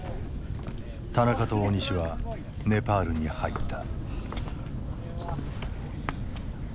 田中と大西はネパールに入った。